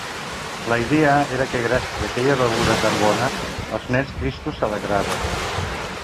La idea era que gràcies a aquella beguda tan bona els nens tristos s'alegraven.